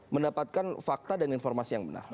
mendapatkan fakta dan informasi yang benar